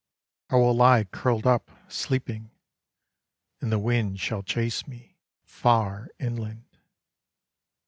I will lie curled up, sleeping, And the wind shall chase me Far inland.